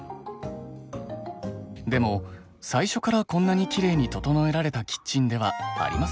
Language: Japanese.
でも最初からこんなにきれいに整えられたキッチンではありませんでした。